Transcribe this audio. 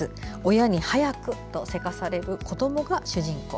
親に「はやく」とせかされる子どもが主人公。